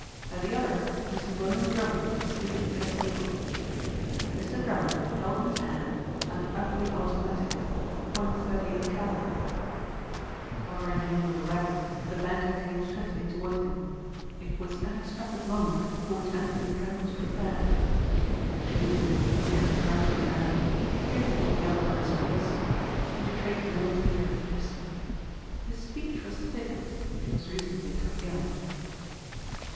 At the other Mr. William Drummond was seated at a table. And Mr. Drummond held in his hand an ugly automatic of .38 calibre. Covering him with the weapon the banker came swiftly toward him. It was the unexpected moment for which Anthony Trent was prepared. Assuming the demeanor of the drunken man he peered into the elder man's face. He betrayed no fear of the pistol. His speech was thickened, but he was reasonably coherent.